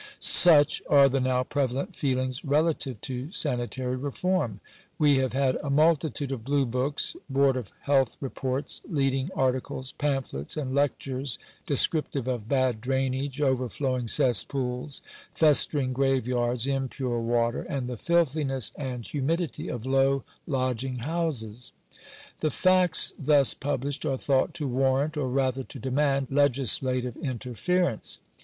Such are the now prevalent feelings relative to sanitary reform. We have had a multitude of blue books, Board of Health reports, leading articles, pamphlets, and lectures, descriptive of bad drainage, overflowing cesspools, festering graveyards, impure water, and the filthiness and humidity of low lodging houses. The facts thus published are thought to warrant, or rather to demand, legislative interference.